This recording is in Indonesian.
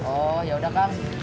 oh yaudah kak